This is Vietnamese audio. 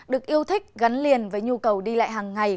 được yêu thích gắn liền với nhu cầu đi lại hàng ngày